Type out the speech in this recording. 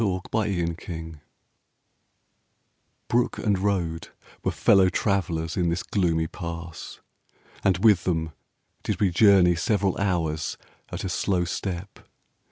THE SIMPLON PASS Brook and road Were fellow travellers in this gloomy Pass, And with them did we journey several hours At a slow step.